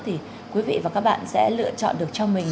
thì quý vị và các bạn sẽ lựa chọn được cho mình